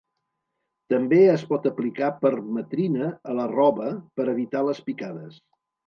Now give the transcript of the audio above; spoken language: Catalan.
També es pot aplicar permetrina a la roba per evitar les picades.